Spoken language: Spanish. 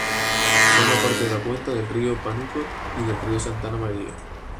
Forma parte de la cuenca del río Pánuco y del río Santa María.